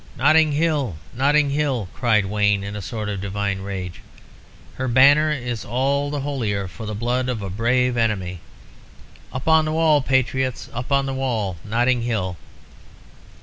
"'Notting Hill! Notting Hill!' cried Wayne, in a sort of divine rage. 'Her banner is all the holier for the blood of a brave enemy! Up on the wall, patriots! Up on the wall! Notting Hill!'